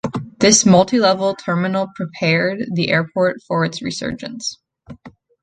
This multi-level terminal prepared the airport for its resurgence.